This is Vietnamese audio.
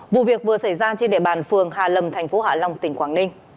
vụ việc vừa xảy ra trên đệ bàn phường hà lâm tp hà lâm